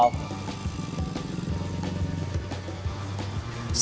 selain menjual perlengkapan kamar mandi bekas